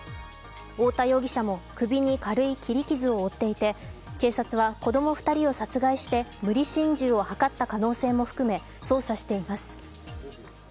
太田容疑者も首に軽い切り傷を負っていて警察は、子供２人を殺害して無理心中を図った可能性も含め捜査しています。